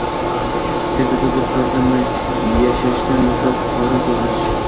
Sen tasavvur qilasanmi: yashashdan maqsad — qorin to‘yg‘azish